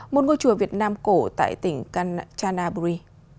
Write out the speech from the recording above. một ngôi chùa việt nam cổ tại tỉnh chanaburi